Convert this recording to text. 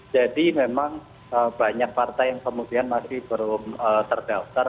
jadi memang banyak partai yang kemudian masih baru terdaftar